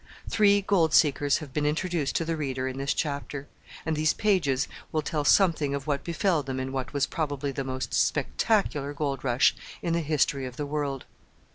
Three gold seekers have been introduced to the reader in this chapter; and these pages will tell something of what befell them in what was probably the most spectacular gold rush in the history of the world.